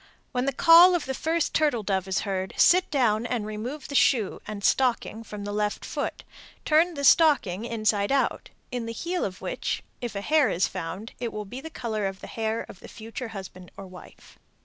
When the call of the first turtle dove is heard, sit down and remove the shoe and stocking from the left foot, turn the stocking inside out, in the heel of which if a hair is found, it will be of the color of the hair of the future husband or wife.